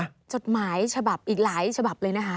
จดหมายฉบับอีกหลายฉบับเลยนะคะ